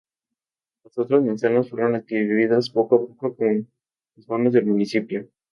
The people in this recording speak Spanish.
Las otras manzanas fueron adquiridas poco a poco con los fondos del municipio.